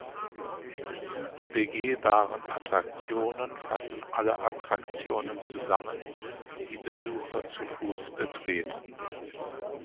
Die "begehbaren Attraktionen" fassen alle Attraktionen zusammen, die die Besucher zu Fuß betreten.